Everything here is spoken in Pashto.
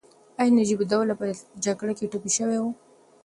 ایا نجیب الدوله په جګړه کې ټپي شوی و؟